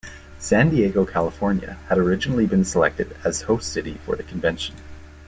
San Diego, California, had originally been selected as host city for the convention.